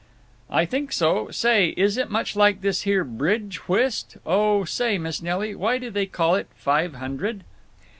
"I think so. Say, is it much like this here bridge whist? Oh say, Miss Nelly, why do they call it Five Hundred?"